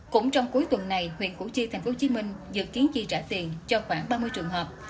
cũng trong cuối tuần này huyện củ chi thành phố hồ chí minh dự kiến chi trả tiền cho khoảng ba mươi trường hợp